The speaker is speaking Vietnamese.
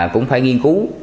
cũng phải nghiên cứu